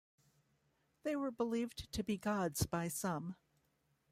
They were believed to be gods by some.